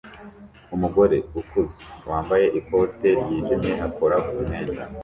Umugore ukuze wambaye ikoti ryijimye akora ku mwenda